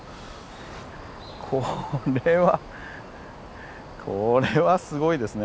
これはこれはすごいですね。